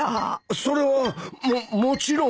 それはももちろん。